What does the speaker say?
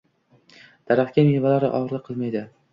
Daraxtga mevalari ogʻirlik qilmaydi